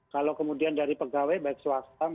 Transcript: kalau kemudian dari pegawai baik swasta